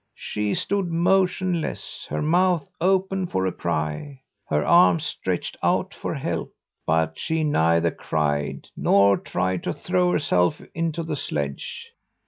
She stood motionless, her mouth open for a cry, her arms stretched out for help. But she neither cried nor tried to throw herself into the sledge.